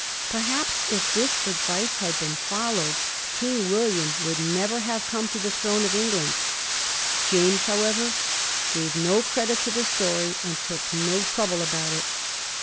Perhaps if this advice had been followed, King William would never have come to the throne of England. James, how ever, gave no credit to the story, and took no trouble about it.